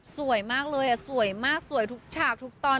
สวยมากเลยสวยมากสวยทุกฉากทุกตอน